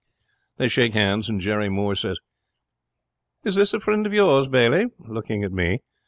'They shakes hands, and Jerry Moore says, "Is this a friend of yours, Bailey?" looking at me.